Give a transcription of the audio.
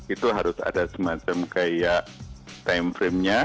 itu harus ada semacam kayak time frame nya